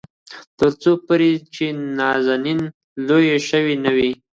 تر څو پورې چې نازنين لويه شوې نه وي.